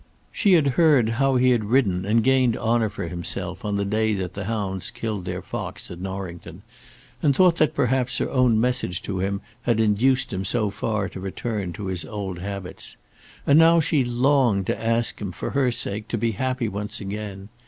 She had heard how he had ridden and gained honour for himself on the day that the hounds killed their fox at Norrington, and thought that perhaps her own message to him had induced him so far to return to his old habits. And now she longed to ask him, for her sake, to be happy once again.